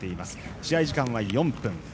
試合時間は４分。